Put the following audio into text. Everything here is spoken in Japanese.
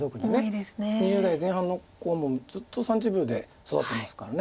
２０代前半の子はずっと３０秒で育ってますから。